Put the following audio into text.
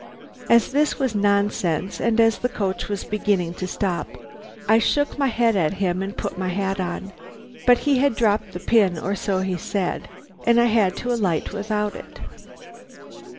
"As this was nonsense, and as the coach was beginning to stop, I shook my head at him and put my hat on again, but he had dropped the pin, or so he said, and I had to alight without it.